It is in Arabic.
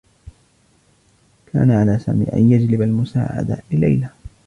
كان على سامي أن يجلب المساعدة لليلي.